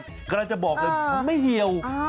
กำลังจะบอกเลยมันไม่เหี่ยว